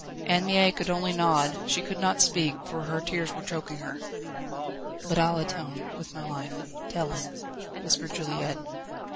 Anne Mie could only nod; she could not speak, for her tears were choking her. "But I'll atone with my life. Tell him," whispered Juliette.